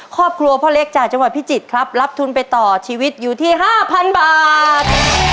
ครอบครัวพ่อเล็กจากจังหวัดพิจิตรครับรับทุนไปต่อชีวิตอยู่ที่๕๐๐บาท